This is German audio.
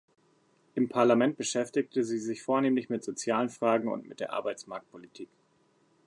Im Parlament beschäftigte sie sich vornehmlich mit sozialen Fragen und mit der Arbeitsmarktpolitik.